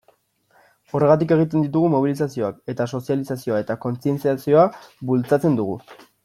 Horregatik egiten ditugu mobilizazioak, eta sozializazioa eta kontzientziazioa bultzatzen dugu.